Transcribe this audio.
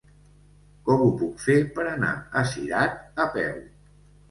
Com ho puc fer per anar a Cirat a peu?